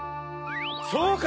そうか！